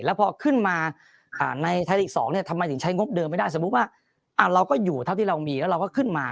แล้วพอขึ้นมาในไทยลีก๒เนี่ยทำไมถึงใช้งบเดิมไม่ได้สมมุติว่าเราก็อยู่เท่าที่เรามีแล้วเราก็ขึ้นมา